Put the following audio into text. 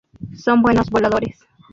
Son buenos voladores.